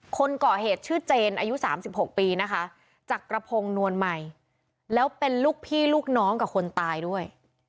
คนก่อเหตุชื่อเจนอายุ๓๖ปีนะคะจักรพงศ์นวลใหม่แล้วเป็นลูกพี่ลูกน้องกับคนตายด้วย